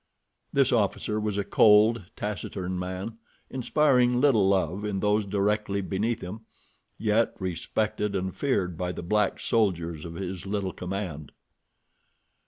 This officer was a cold, taciturn man, inspiring little love in those directly beneath him, yet respected and feared by the black soldiers of his little command.